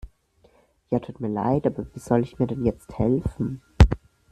Ja, tut mir leid, aber wie soll ich mir denn jetzt helfen?